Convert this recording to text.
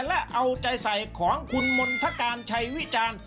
และเอาใจใส่ของคุณมณฑการชัยวิจารณ์